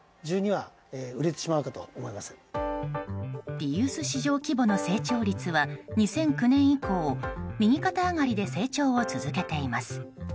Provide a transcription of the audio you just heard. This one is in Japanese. リユース市場規模の成長率は２００９年以降右肩上がりで成長を続けています。